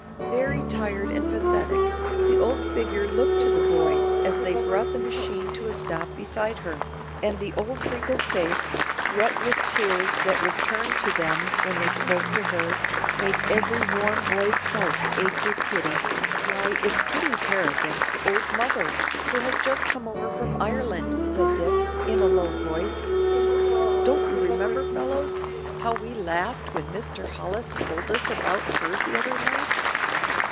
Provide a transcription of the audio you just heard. Very tired and pathetic, the old figure looked to the boys as they brought the machine to a stop beside her, and the old wrinkled face, wet with tears that was turned to them when they spoke to her, made every warm boy's heart ache with pity. "Why it's Kitty Harrigan's old mother, who has just come over from Ireland," said Dick, in a low voice. "Don't you remember, fellows, how we laughed when Mr. Hollis told us about her the other night?